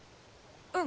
うん。